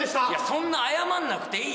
そんな謝らなくていいよ